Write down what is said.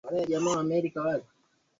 Maeneo hayo ni mengi